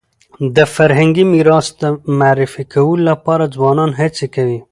د فرهنګي میراث د معرفي کولو لپاره ځوانان هڅي کوي